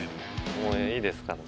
もういいですからね。